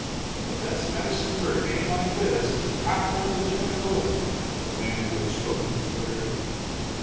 "The best medicine for a gang like this is a cottonwood limb and a rope," the man who had spoken declared.